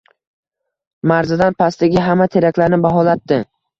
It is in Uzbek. Marzadan pastdagi hamma teraklarni baholatdi